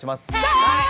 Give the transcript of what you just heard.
はい！